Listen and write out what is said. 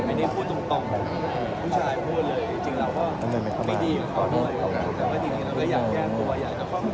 เพราะคุยกันจะรับตัวอะไร